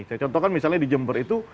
saya contohkan misalnya di jember itu